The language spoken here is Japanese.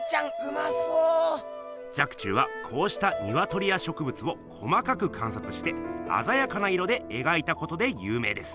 若冲はこうしたにわとりやしょくぶつを細かくかんさつしてあざやかな色でえがいたことでゆう名です。